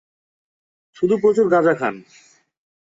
শুধু প্রচুর গাঁজা খান।